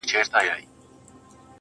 نن دي دواړي سترگي سرې په خاموشۍ كـي.